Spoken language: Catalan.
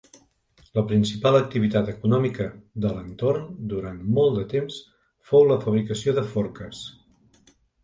La principal activitat econòmica d'Alentorn durant molt de temps fou la fabricació de forques.